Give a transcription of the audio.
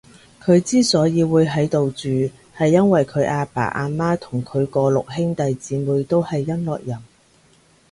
佢之所以會喺度住，係因為佢阿爸阿媽同佢個六兄弟姐妹都係音樂人